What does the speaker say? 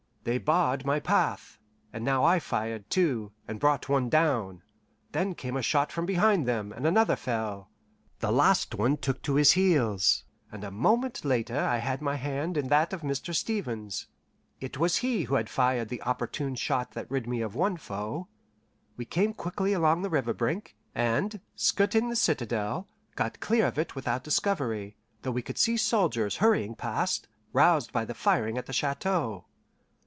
They barred my path, and now I fired, too, and brought one down; then came a shot from behind them, and another fell. The last one took to his heels, and a moment later I had my hand in that of Mr. Stevens. It was he who had fired the opportune shot that rid me of one foe. We came quickly along the river brink, and, skirting the citadel, got clear of it without discovery, though we could see soldiers hurrying past, roused by the firing at the chateau.